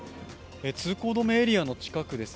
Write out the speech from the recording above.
通行止めエリアの近くです。